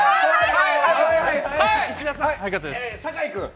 酒井君。